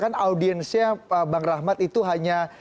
karena audiensnya bang rahmat itu hanya